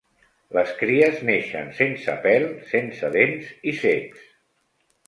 Les cries neixen sense pèl, sense dents i cecs.